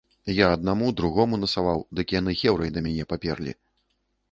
Я аднаму, другому насаваў, дык яны хеўрай на мяне паперлі.